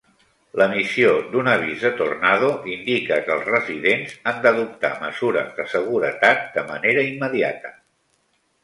L'emissió d'un avís de tornado indica que els residents han d'adoptar mesures de seguretat de manera immediata.